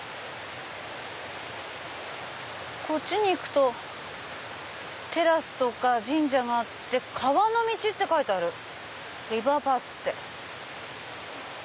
こっちに行くとテラスとか神社があって川の道って書いてあるＲｉｖｅｒＰａｔｈって。